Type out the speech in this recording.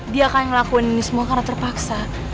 dia akan ngelakuin ini semua karena terpaksa